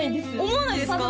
思わないですか？